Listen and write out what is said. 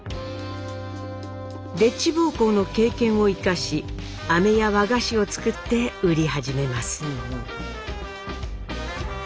でっち奉公の経験を生かしあめや和菓子を作って売り始めます。